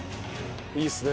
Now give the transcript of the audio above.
いいですね。